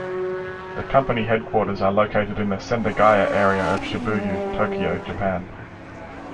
The company headquarters are located in the Sendagaya area of Shibuya, Tokyo, Japan.